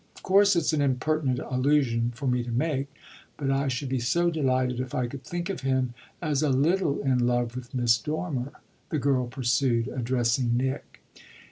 Of course it's an impertinent allusion for me to make; but I should be so delighted if I could think of him as a little in love with Miss Dormer," the girl pursued, addressing Nick.